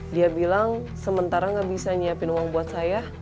dia bilang sementara nggak bisa nyiapin uang buat saya